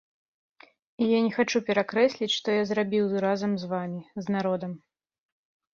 І я не хачу перакрэсліць, што я зрабіў разам з вамі, з народам.